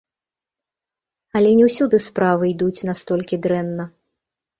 Але не ўсюды справы ідуць настолькі дрэнна.